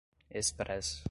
expressa